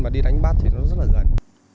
mà đi đánh bắt thì nó rất là gần